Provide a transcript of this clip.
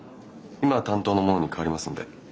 今担当の者に替わりますんで。